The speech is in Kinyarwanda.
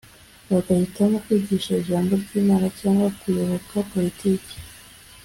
bagahitamo kwigisha ijambo ry’Imana cyangwa kuyoboka politiki